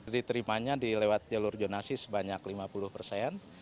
diterimanya di lewat jalur jonasi sebanyak lima puluh persen